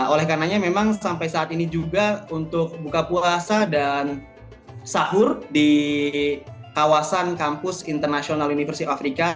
oleh karena memang sampai saat ini juga untuk buka puasa dan sahur di kawasan kampus internasional university of africa